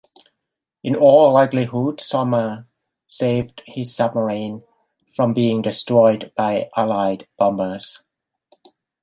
In all likelihood Sommer saved his submarine from being destroyed by allied bombers.